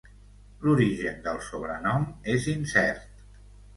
L'origen del sobrenom és incert.